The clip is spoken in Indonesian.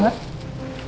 kayak seneng banget